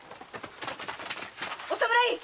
お侍！